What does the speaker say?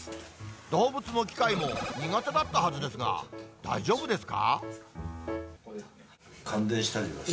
動物も機械も苦手だったはずですが、大丈夫ですか？